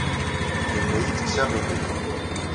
Yenna-iyi-d kkes aɣilif.